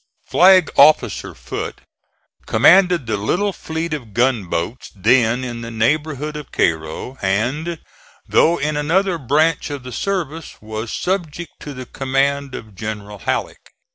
Flag officer Foote commanded the little fleet of gunboats then in the neighborhood of Cairo and, though in another branch of the service, was subject to the command of General Halleck.